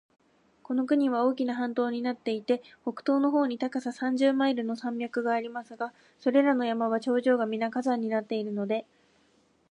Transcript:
この国は大きな半島になっていて、北東の方に高さ三十マイルの山脈がありますが、それらの山は頂上がみな火山になっているので、